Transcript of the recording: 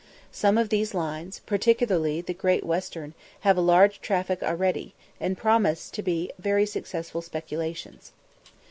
Some of these lines, particularly the Great Western, have a large traffic already, and promise to be very successful speculations.